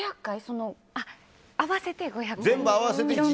合わせて５００回です。